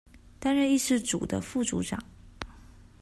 擔任議事組的副組長